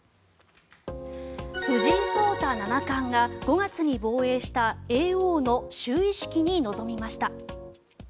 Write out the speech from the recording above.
藤井聡太七冠が５月に防衛した叡王の就位式に臨みました。